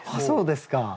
そうですか！